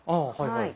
はい。